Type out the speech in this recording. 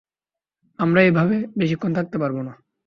আমরা এভাবে বেশিক্ষণ থাকতে পারবো না!